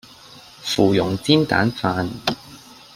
芙蓉煎蛋飯